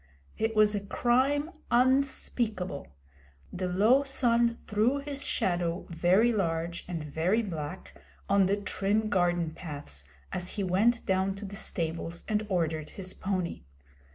It was a crime unspeakable. The low sun threw his shadow, very large and very black, on the trim garden paths, as he went down to the stables and ordered his pony.